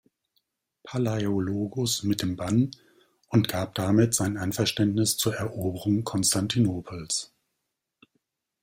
Palaiologos mit dem Bann und gab damit sein Einverständnis zur Eroberung Konstantinopels.